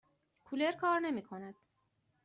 کولر کار نمی کند.